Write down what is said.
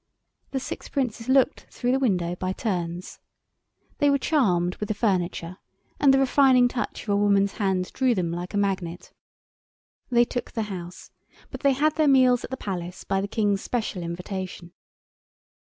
The six Princes looked through the window by turns. They were charmed with the furniture, and the refining touch of a woman's hand drew them like a magnet. They took the house, but they had their meals at the Palace by the King's special invitation.